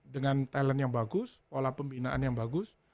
dengan talent yang bagus pola pembinaan yang bagus